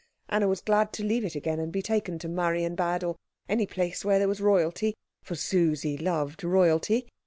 Anna was glad to leave it again, and be taken to Marienbad, or any place where there was royalty, for Susie loved royalty.